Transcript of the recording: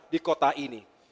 di kota ini